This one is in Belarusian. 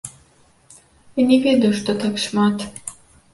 Я не ведаў, што так шмат.